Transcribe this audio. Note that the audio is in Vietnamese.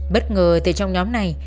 bất ngờ từ trong nhóm này